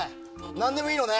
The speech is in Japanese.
何でもいいのね？